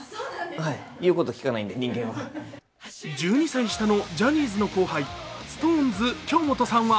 １２歳下のジャニーズの後輩、ＳｉｘＴＯＮＥＳ・京本さんは